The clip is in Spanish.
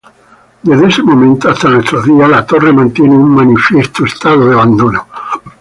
Desde ese momento hasta nuestros días, la torre mantiene un manifiesto estado de abandono.